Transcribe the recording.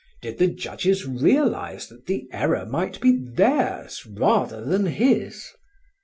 Did the judges realize that the error might be theirs rather than his?"